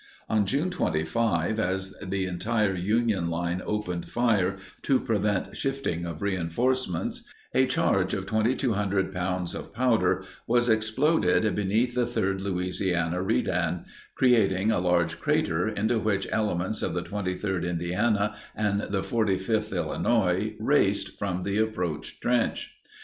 On June 25, as the entire Union line opened fire to prevent shifting of reinforcements, a charge of 2,200 pounds of powder was exploded beneath the Third Louisiana Redan, creating a large crater into which elements of the 23rd Indiana and 45th Illinois raced from the approach trench.